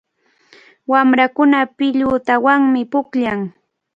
Wamrakuna pilutawanmi pukllan.